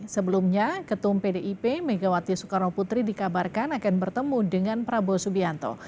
sebelumnya ketum pdip megawati soekarno putri dikabarkan akan bertemu dengan prabowo subianto